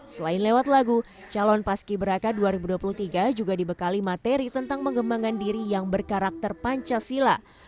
selain lewat lagu calon paski beraka dua ribu dua puluh tiga juga dibekali materi tentang mengembangkan diri yang berkarakter pancasila